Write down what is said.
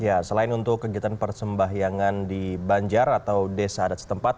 ya selain untuk kegiatan persembahyangan di banjar atau desa adat setempat